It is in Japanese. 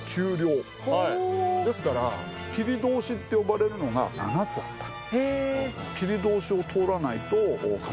ですから切通しって呼ばれるのが７つあった。